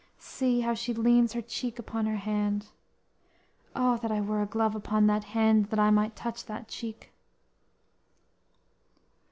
See how she leans her cheek upon her hand! O, that I were a glove upon that hand, That I might touch that cheek!"